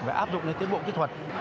và áp dụng những tiến bộ kỹ thuật